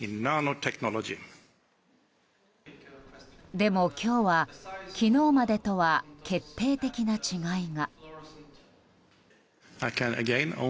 でも、今日は昨日までとは決定的な違いが。